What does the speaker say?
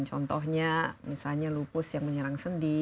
contohnya misalnya lupus yang menyerang sendi